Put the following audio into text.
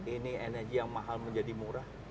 ini energi yang mahal menjadi murah